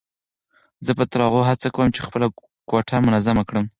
زه به تر هغو هڅه کوم چې خپله کوټه منظمه کړم.